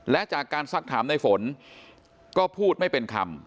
และจากการสักถามในฝนก็พูดไม่เป็นคำ